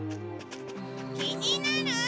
気になる！